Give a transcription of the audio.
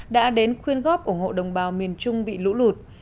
đã đến khuyên góp ủng hộ đồng bào miền trung bị lũ lụt